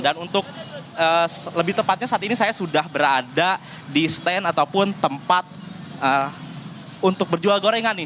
dan untuk lebih tepatnya saat ini saya sudah berada di stand ataupun tempat untuk berjual gorengan